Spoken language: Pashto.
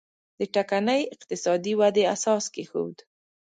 د ټکنۍ اقتصادي ودې اساس کېښود.